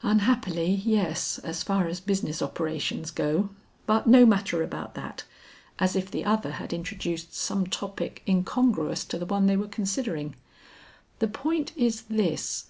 "Unhappily yes, as far as business operations go. But no matter about that; " as if the other had introduced some topic incongruous to the one they were considering "the point is this.